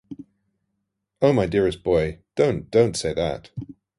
O my dearest boy, don't, don't say that!